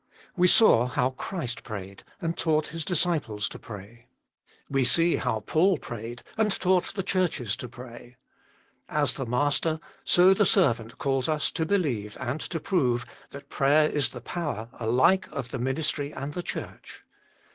We saw how Christ prayed, and taught His disciples to pray. We see how Paul prayed, and taught the churches to pray. As the Master, so the servant calls us to believe and to prove that prayer is the power alike of the ministry and the Church.